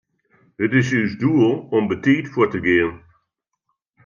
It is ús doel om betiid fuort te gean.